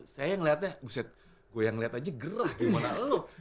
saya yang ngelihatnya buset gue yang ngelihat aja gerah gimana lo